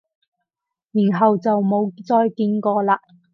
然後就冇再見過喇？